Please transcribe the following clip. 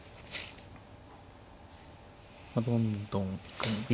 どんどん行くんですか。